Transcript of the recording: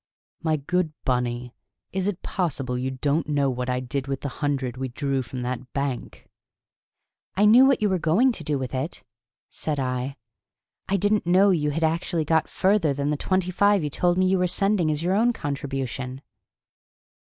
My good Bunny, is it possible you don't know what I did with the hundred we drew from that bank!" "I knew what you were going to do with it," said I. "I didn't know you had actually got further than the twenty five you told me you were sending as your own contribution."